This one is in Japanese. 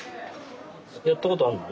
やったことあるの？